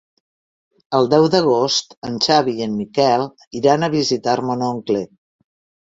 El deu d'agost en Xavi i en Miquel iran a visitar mon oncle.